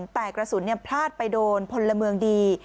แต่กระสุนพลาดไปโดนพลเมืองดี